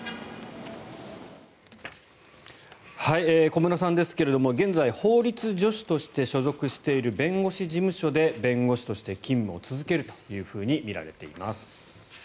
小室さんですが現在、法律助手として所属している弁護士事務所で弁護士として勤務を続けるとみられています。